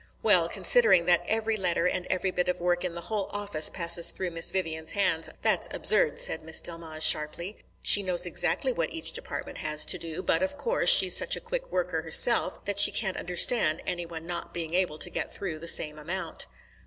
"Well, considering that every letter and every bit of work in the whole office passes through Miss Vivian's hands, that's absurd," said Miss Delmege sharply. "She knows exactly what each department has to do, but, of course, she's such a quick worker herself that she can't understand any one not being able to get through the same amount."